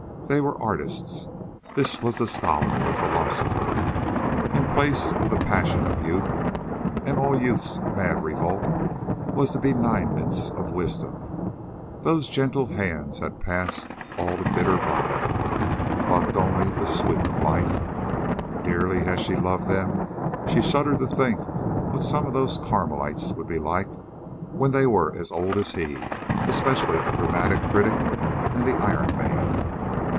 They were artists. This was the scholar, the philosopher. In place of the passion of youth and all youth's mad revolt, was the benignance of wisdom. Those gentle hands had passed all the bitter by and plucked only the sweet of life. Dearly as she loved them, she shuddered to think what some of those Carmelites would be like when they were as old as he especially the dramatic critic and the Iron Man.